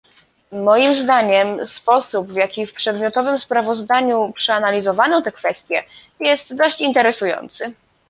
Moim zdaniem sposób, w jaki w przedmiotowym sprawozdaniu przeanalizowano tę kwestię jest dość interesujący